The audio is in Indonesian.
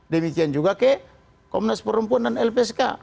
demikian juga ke komnas perempuan dan lpsk